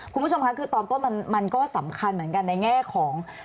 คุณผู้ชมค่ะคือตอนต้นมันก็สำคัญเหมือนกันในแง่ของ